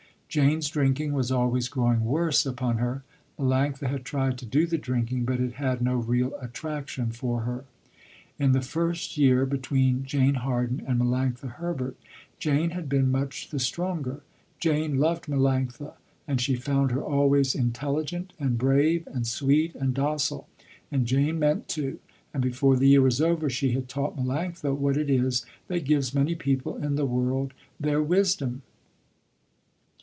Jane's drinking was always growing worse upon her. Melanctha had tried to do the drinking but it had no real attraction for her. In the first year, between Jane Harden and Melanctha Herbert, Jane had been much the stronger. Jane loved Melanctha and she found her always intelligent and brave and sweet and docile, and Jane meant to, and before the year was over she had taught Melanctha what it is that gives many people in the world their wisdom.